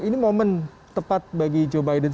ini momen tepat bagi joe biden